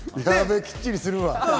きっちりするわ。